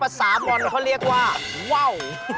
ภาษาบอลเขาเรียกว่าว้าว